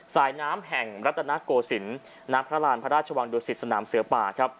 สายน้ำแห่งรัฐนาโกศิลป์ณพระราณพระราชวังดุสิตสนามเสือป่าครับ